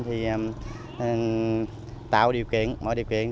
thì tạo điều kiện mọi điều kiện